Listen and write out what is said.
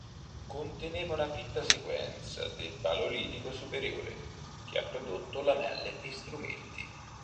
Conteneva una fitta sequenza del Paleolitico superiore, che ha prodotto lamelle e strumenti.